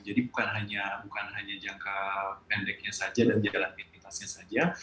jadi bukan hanya jangka pendeknya saja dan jalan pintasnya saja